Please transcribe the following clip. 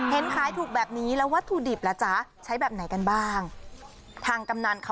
เห็นทรายถูกแบบนี้แล้ววัตถุดิบล่ะจ๊ะใช้แบบไหนกันบ้าง